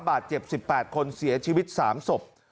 บาดเจ็บ๑๘คนเสียชีวิต๓ศพ